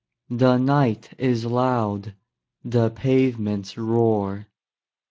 The night is loud; the pavements roar.